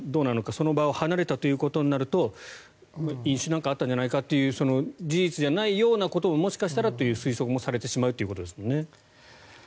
その場を離れたということになると飲酒なんかあったんじゃないかという事実じゃないようなことももしかしたらという推測もされてしまうかもしれないということですよね。